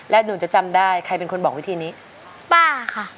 และหนูจะจำได้ใครเป็นคนบอกวิธีนี้ป้าค่ะ